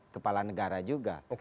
kepala negara juga